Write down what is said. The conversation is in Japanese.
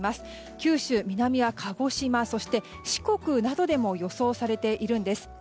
九州、南は鹿児島そして四国などでも予想されているんです。